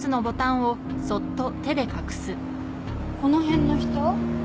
この辺の人？